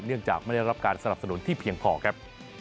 เนื่องจากไม่ได้รับการสนับสนุนที่เพียงพอครับ